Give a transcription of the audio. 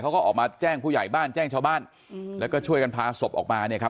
เขาก็ออกมาแจ้งผู้ใหญ่บ้านแจ้งชาวบ้านอืมแล้วก็ช่วยกันพาศพออกมาเนี่ยครับ